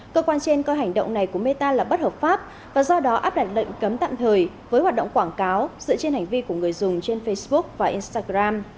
cơ quan trên coi hành động này của meta là bất hợp pháp và do đó áp đặt lệnh cấm tạm thời với hoạt động quảng cáo dựa trên hành vi của người dùng trên facebook và instagram